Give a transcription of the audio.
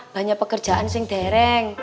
banyak pekerjaan sering dereng